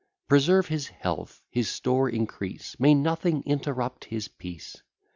Preserve his health, his store increase; May nothing interrupt his peace!